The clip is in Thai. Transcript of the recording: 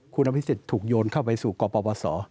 คุณอภิษฎถูกโยนเข้าไปสู่กปปศ